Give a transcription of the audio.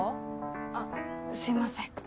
あっすいません。